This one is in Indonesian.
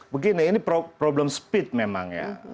begini ini problem speed memang ya